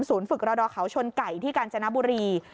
ฝึกรอดอเขาชนไก่ที่กาญจนบุรี